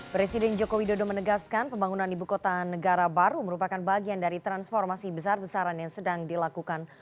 presiden joko widodo menegaskan pembangunan ibu kota negara baru merupakan bagian dari transformasi besar besaran yang sedang dilakukan